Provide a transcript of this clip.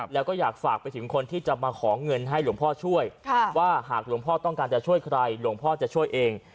แล้วก็อยากฝากไปถึงคนที่จะมาขอเงินให้หลวงพ่อช่วยว่าหากหลวงพ่อต้องการจะช่วยใครหลวงพ่อจะช่วยเอง